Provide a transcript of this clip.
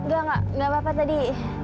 enggak enggak apa apa tadi